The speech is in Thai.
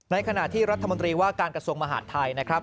ในขณะที่รัฐมนตรีว่าการกระทรวงมหาดไทย